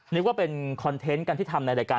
นึกว่าเป็นคอนเทนต์กันที่ทำในรายการ